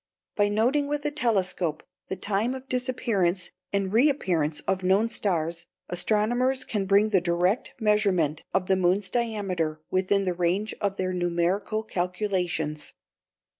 By noting with a telescope the time of disappearance and reappearance of known stars, astronomers can bring the direct measurement of the moon's diameter within the range of their numerical calculations.